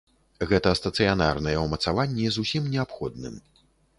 Гэта стацыянарныя ўмацаванні з усім неабходным.